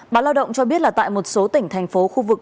báo lao động cho biết là tại một số tỉnh thành phố khu vực